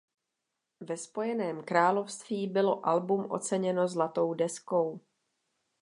Ve Spojeném království bylo album oceněno zlatou deskou.